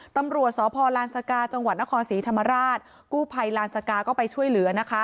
ตำรวจสพลานสกาจังหวัดนครศรีธรรมราชกู้ภัยลานสกาก็ไปช่วยเหลือนะคะ